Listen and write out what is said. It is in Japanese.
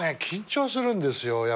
緊張するんですよ。